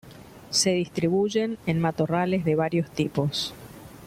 Se distribuyen en matorrales de varios tipos.